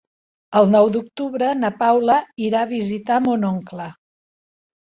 El nou d'octubre na Paula irà a visitar mon oncle.